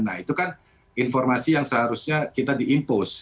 nah itu kan informasi yang seharusnya kita diimpost